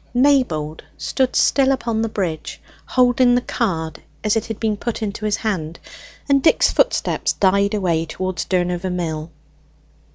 Maybold stood still upon the bridge, holding the card as it had been put into his hand, and Dick's footsteps died away towards Durnover Mill.